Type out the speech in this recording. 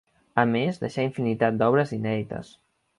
A més deixà infinitat d'obres inèdites.